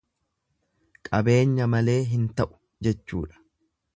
Qabeenya malee hin ta'u jechuudha.